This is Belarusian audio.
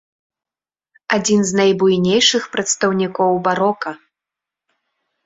Адзін з найбуйнейшых прадстаўнікоў барока.